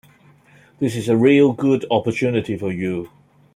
This is a real good opportunity for you.